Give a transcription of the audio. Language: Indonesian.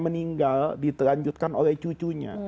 meninggal diteranjutkan oleh cucunya